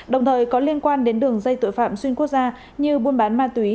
đồng thời có liên quan đến đường dây tội phạm xuyên quốc gia như buôn bán ma túy